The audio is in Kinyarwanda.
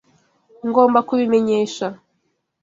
Ngomba kubimenyesha.